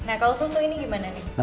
nah kalau susu ini gimana nih